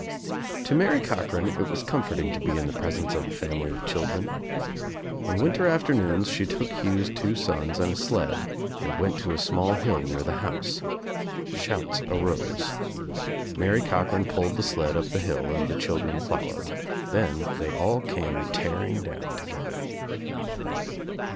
To Mary Cochran it was comforting to be in the presence of a family of children. On winter after noons she took Hugh's two sons and a sled and went to a small hill near the house. Shouts arose. Mary Cochran pulled the sled up the hill and the children followed. Then they all came tearing down together.